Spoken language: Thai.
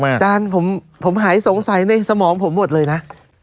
อาจารย์ผมหายสงสัยในสมองผมหมดเลยนะ